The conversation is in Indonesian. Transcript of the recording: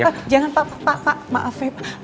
pak pak jangan pak pak pak pak maaf ya pak